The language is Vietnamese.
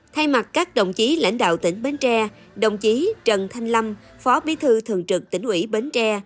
thay mặt các đồng chí lãnh đạo tỉnh bến tre đồng chí trần thanh lâm phó bí thư thường trực tỉnh ủy bến tre